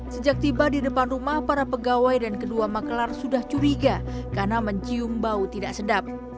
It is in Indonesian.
sejak tiba di depan rumah para pegawai dan kedua maklar sudah curiga karena mencium bau tidak sedap